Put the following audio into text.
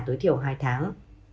tối thiểu hai tháng